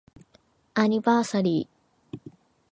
アニバーサリー